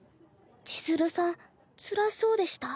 千鶴さんつらそうでした？